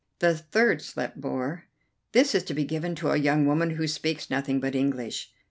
The third slip bore: "This is to be given to a young woman who speaks nothing but English."